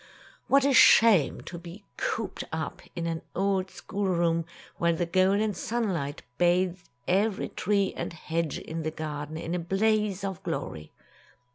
What a shame to be cooped up in an old school room, while the golden sunlight bathed every tree and hedge in the garden in a blaze of glory!